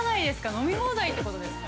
飲み放題ってことですか。